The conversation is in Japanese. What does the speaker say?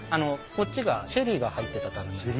こっちがシェリーが入ってた樽になります。